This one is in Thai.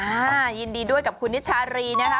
อ่ายินดีด้วยกับคุณนิชชาลีเนี่ยค่ะ